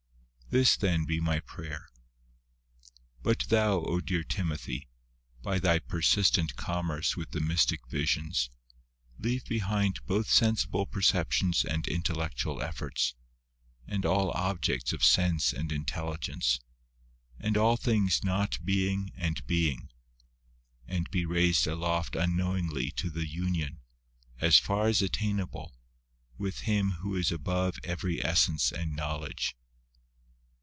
This then be my prayer ; but thou, O dear Timothy, by thy persistent commerce with the mystic visions, leave behind both sensible perceptions and intellectual efforts, and all objects of sense and intelligence, and all things not being and being, and be raised aloft unknowingly to the union, as far as attainable, with Him Who is above every essence and knowledge.